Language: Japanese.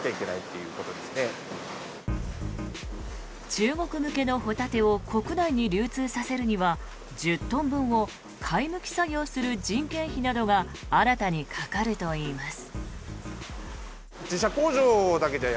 中国向けのホタテを国内に流通させるには１０トン分を貝むき作業する人件費などが新たにかかるといいます。